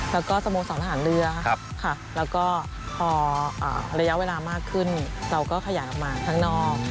แล้วก็สโมสรทหารเรือแล้วก็พอระยะเวลามากขึ้นเราก็ขยายออกมาข้างนอก